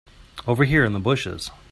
Over here in the bushes.